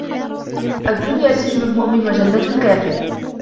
الدنيا سجن المؤمن وجنة الكافر